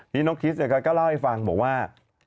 นี่น้องคิสก็เล่าให้ฟังบอกว่า